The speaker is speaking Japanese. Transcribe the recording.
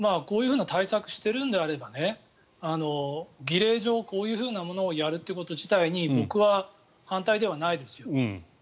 こういうふうな対策をしているのであれば儀礼上、こういうふうなものをやること自体に僕は反対ではないですよ。